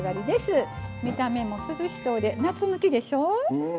見た目も涼しそうで夏向きでしょう？